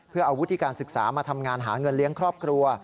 เพื่อเอาวุฒิการศึกษามาทำงานหาเงินเลี้ยงครอบครัว